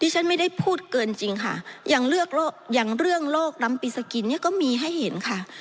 ที่ฉันไม่ได้พูดเกินจริงค่ะอย่างเรื่องโรครัมปิสกิลนี้ก็มีให้เห็นค่ะ